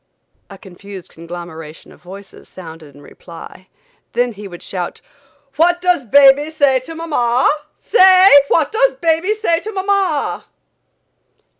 A confused conglomeration of voices sounded in reply; then he would shout: "What does baby say to mamma? Say; what does baby say to mamma?"